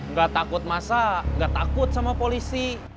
nggak takut masa nggak takut sama polisi